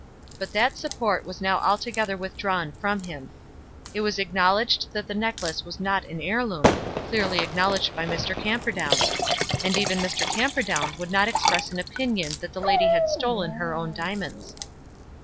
But that support was now altogether withdrawn from him. It was acknowledged that the necklace was not an heirloom, clearly acknowledged by Mr. Camperdown! And even Mr. Camperdown would not express an opinion that the lady had stolen her own diamonds.